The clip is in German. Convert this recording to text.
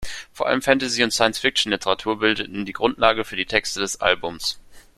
Vor allem Fantasy- und Science-Fiction-Literatur bildete die Grundlage für die Texte des Albums.